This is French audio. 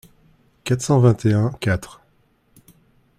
quatre cent vingt et un-quatre.